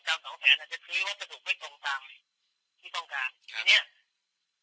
ตามสองแสนอาจจะคือว่าจะถูกไม่ตรงตามที่ต้องการครับเนี้ย